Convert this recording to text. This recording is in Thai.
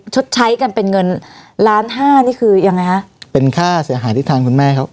ชดใช้กันเป็นเงินล้านห้านี่คือยังไงฮะเป็นค่าเสียหายที่ทางคุณแม่เขา